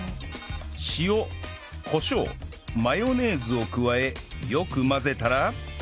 塩コショウマヨネーズを加えよく混ぜたら